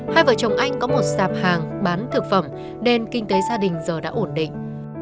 hai vợ chồng anh có một sạp hàng bán thực phẩm nên kinh tế gia đình giờ đã ổn định